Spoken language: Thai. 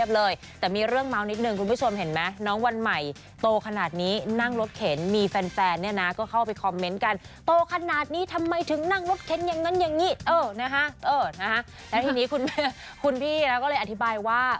แล้วทีนี้คุณพี่ก็เลยอธิบายว่า